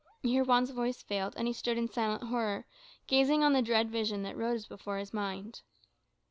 Here Juan's voice failed, and he stood in silent horror, gazing on the dread vision that rose before his mind.